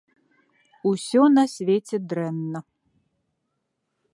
Усё на свеце дрэнна.